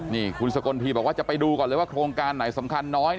นี่คุณสกลทีบอกว่าจะไปดูก่อนเลยว่าโครงการไหนสำคัญน้อย